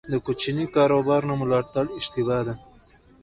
د کوچني کاروبار نه ملاتړ اشتباه ده.